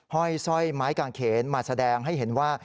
ห้อยสร้อยไม้กางเขนมาแสดงให้เห็นว่า